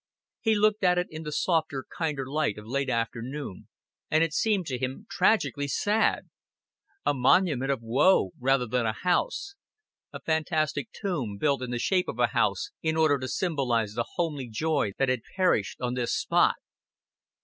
He looked at it in the softer, kinder light of late afternoon, and it seemed to him tragically sad a monument of woe rather than a house, a fantastic tomb built in the shape of a house in order to symbolize the homely joy that had perished on this spot.